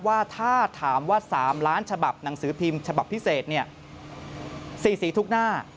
ว่าถ้าถามว่า๓ล้านฉบับหนังสือพิมพ์ฉบับพิเศษ๔สีทุกหน้า